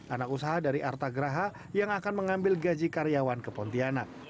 anak usaha dari artagraha yang akan mengambil gaji karyawan ke pontianak